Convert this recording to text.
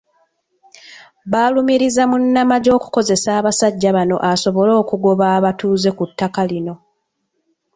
Balumirizza munnamagye okukozesa abasajja bano asobole okugoba abatuuze ku ttaka lino.